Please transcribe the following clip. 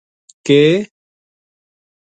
کِ